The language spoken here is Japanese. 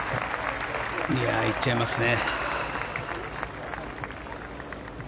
いや、行っちゃいますね。